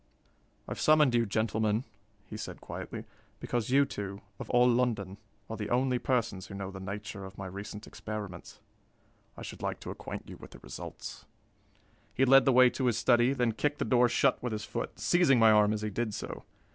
"I've summoned you, gentlemen," he said quietly, "because you two, of all London, are the only persons who know the nature of my recent experiments. I should like to acquaint you with the results!" He led the way to his study, then kicked the door shut with his foot, seizing my arm as he did so.